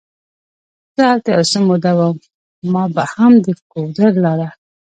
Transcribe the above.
زه هلته یو څه موده وم، ما به هم د ګودر لاره.